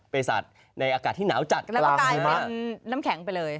สัตว์ในอากาศที่หนาวจัดแล้วก็กลายเป็นน้ำแข็งไปเลย